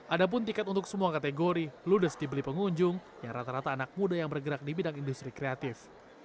ada pun tiket untuk semua kategori ludes dibeli pengunjung yang rata rata anak muda yang bergerak di bidang industri kreatif